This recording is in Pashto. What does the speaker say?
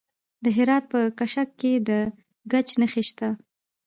د هرات په کشک کې د ګچ نښې شته.